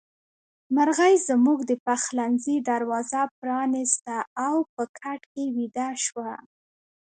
مرغۍ زموږ د پخلنځي دروازه پرانيسته او په کټ کې ويده شوه.